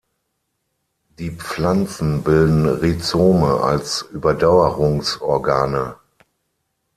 Die Pflanzen bilden Rhizome als Überdauerungsorgane.